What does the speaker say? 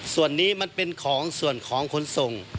ส่วนนี้มันเป็นของส่วนของขนส่ง